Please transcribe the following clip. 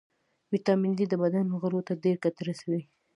ويټامین ډي د بدن غړو ته ډېره ګټه رسوي